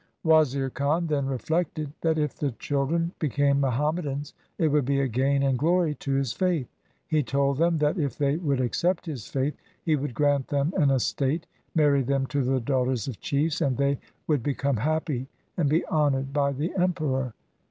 Wazir Khan then reflected that if the children became Muhammadans, it would be a gain and glory to his faith. He told them that, if they would accept his faith, he would grant them an estate, marry them to the daughters of chiefs, and they would become happy and be honoured by the Emperor.